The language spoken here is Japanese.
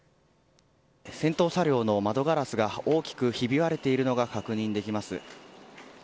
先頭車両の窓ガラスが大きくひび割れているのが確認できます。